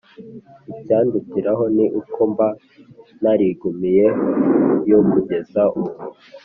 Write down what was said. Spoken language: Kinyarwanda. Icyandutiraho ni uko mba narigumiyeyo kugeza ubu.